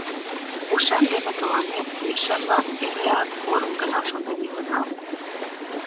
Ушем дене тыланет, ешемлан эреак порым гына шонен иленам.